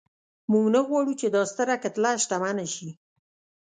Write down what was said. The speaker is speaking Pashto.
موږ نه غواړو چې دا ستره کتله شتمنه شي.